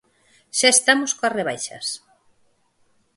Xa estamos coas rebaixas.